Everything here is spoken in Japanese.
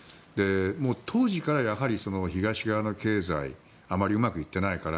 当時から東側の経済あまりうまくいってないから